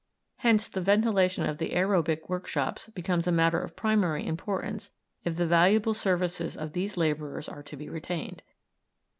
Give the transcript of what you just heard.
Hence the ventilation of the aërobic workshops becomes a matter of primary importance if the valuable services of these labourers are to be retained.